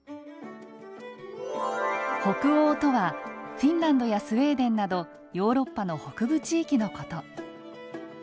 北欧とはフィンランドやスウェーデンなどヨーロッパの北部地域のこと。